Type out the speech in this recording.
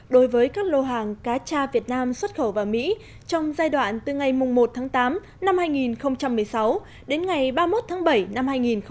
đối với các lô hàng cá cha việt nam xuất khẩu vào mỹ trong giai đoạn từ ngày một tháng tám năm hai nghìn một mươi sáu đến ngày ba mươi một tháng bảy năm hai nghìn một mươi chín